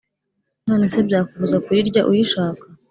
nonese byakubuza kuyirya uyishaka